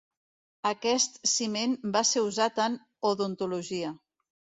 Aquest ciment va ser usat en odontologia.